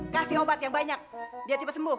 kasih obat yang banyak biar cepet sembuh